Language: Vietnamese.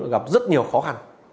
gặp rất nhiều khó khăn